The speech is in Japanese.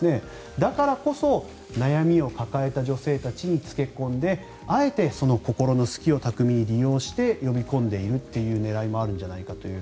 だからこそ、悩みを抱えた女性たちにつけ込んであえて心の隙を巧みに利用して呼び込んでいるという狙いもあるんじゃないかという。